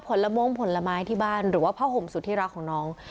ผลมงผลไม้ที่บ้านหรือว่าผ้าห่มสุดที่รักของน้อง